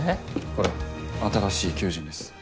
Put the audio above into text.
これ新しい求人です。